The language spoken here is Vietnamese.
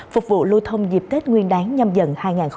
phục vụ lưu thông dịp kết nguyên đáng nhằm dần hai nghìn hai mươi hai